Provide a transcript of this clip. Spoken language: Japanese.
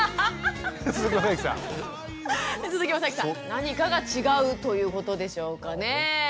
何かが違うということでしょうかね？